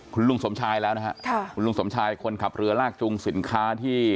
คุณลุงสมชายแล้วนะฮะคุณลุงสมชายคนขับเรือลากจุงสินค้าที่